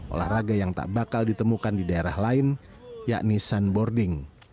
olahraga yang tak bakal ditemukan di daerah lain yakni sandboarding